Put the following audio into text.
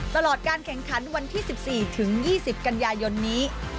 ตลอดการแข่งขันวันที่๑๔ถึง๒๐กันยายนนี้